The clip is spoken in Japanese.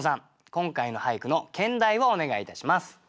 今回の俳句の兼題をお願いいたします。